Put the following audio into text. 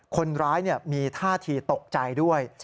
คนร้ายมีท่าทีตกใจด้วย